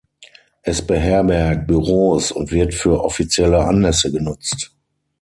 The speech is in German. Es beherbergt Büros und wird für offizielle Anlässe genutzt.